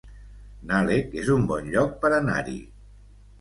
Nalec es un bon lloc per anar-hi